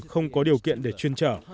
không có điều kiện để chuyên trở